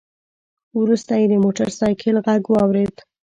وروسته يې د موټر سايکل غږ واورېد.